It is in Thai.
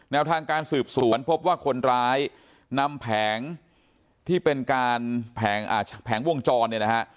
แนวทางการสืบสวนพบว่าคนร้ายนำแผงที่เป็นการแผงวงจร